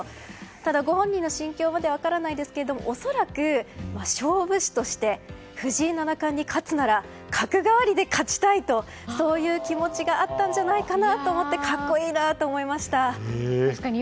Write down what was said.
ただ、ご本人の心境までは分かりませんが、恐らく勝負師として藤井七冠に勝つなら角換わりで勝ちたいという気持ちがあったんじゃないかなと思って格好いいなと思いました。